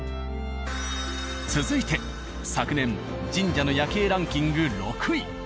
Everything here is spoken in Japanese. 続いて昨年神社の夜景ランキング６位。